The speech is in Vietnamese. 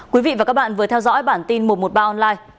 quý vị và các bạn vừa theo dõi bản tin một trăm một mươi ba online